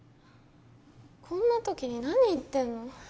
こんな時に何言ってんの？